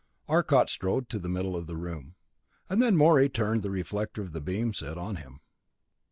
Arcot strode to the middle of the room, and then Morey turned the reflector of the beam set on him.